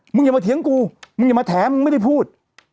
อย่ามาเถียงกูมึงอย่ามาแถมมึงไม่ได้พูด